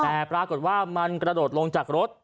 แต่ปรากฏว่ามันกระโดดลงจากรถ